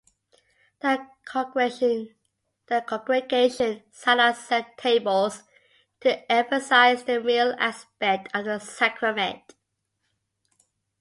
The congregation sat at set tables to emphasise the meal aspect of the sacrament.